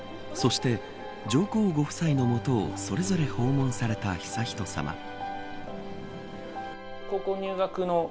そして、上皇后夫妻のもとをそれぞれ訪問された悠仁さま。